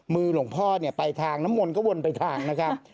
มือหลวงพ่อไปทางน้ำมนต์ก็วนไปทางนะครับ